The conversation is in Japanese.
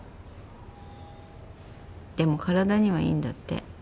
でも体にはいいんだって。